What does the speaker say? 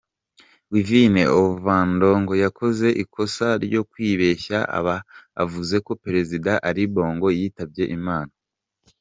Wivine Ovandong yakoze ikosa ryo kwibeshya aba avuze ko Perezida Ali Bongo yitabye Imana.